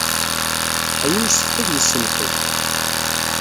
Aya yessefk ad yessenfel.